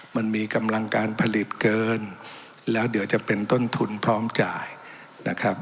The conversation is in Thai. มันมีกำลังการผลิตเกินแล้วเดี๋ยวจะเป็นต้นทุนพร้อมจ่ายนะครับ